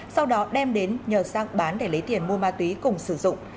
sau đó đem đến nhờ sang bán để lấy tiền mua ma túy cùng sử dụng